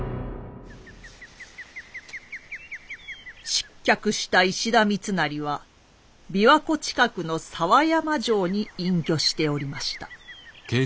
失脚した石田三成は琵琶湖近くの佐和山城に隠居しておりました。